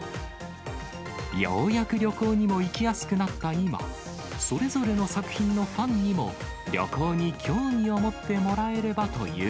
ようやく旅行にも行きやすくなった今、それぞれの作品のファンにも旅行に興味を持ってもらえればという